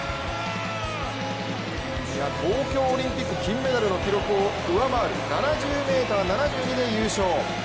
東京オリンピック金メダルの記録を上回る７０ｍ７２で優勝。